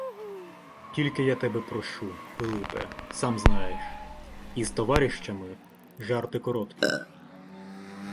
Тільки я тебе прошу, Пилипе, сам знаєш, із "товаріщами" жарти короткі.